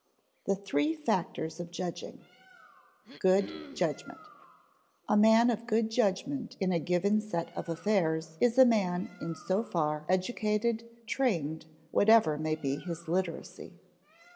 The Three Factors of Judging [Sidenote: Good judgment] A man of good judgment in a given set of affairs is a man in so far educated, trained, whatever may be his literacy.